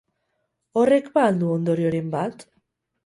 Horrek ba al du ondorioren bat?